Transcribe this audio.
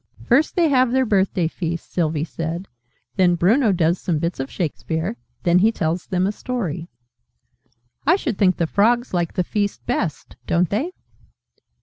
"First they have their Birthday Feast," Sylvie said: "then Bruno does some Bits of Shakespeare; then he tells them a Story." "I should think the Frogs like the Feast best. Don't they?"